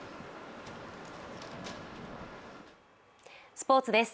スポーツです。